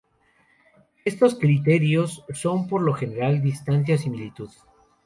Esos criterios son por lo general distancia o similitud.